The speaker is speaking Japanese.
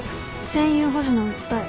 占有保持の訴え。